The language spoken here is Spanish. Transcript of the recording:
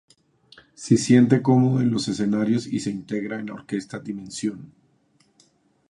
Si siente cómodo en los escenarios y se integra en la orquesta Dimensión.